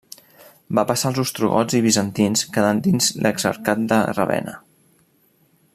Va passar als ostrogots i bizantins quedant dins l'Exarcat de Ravenna.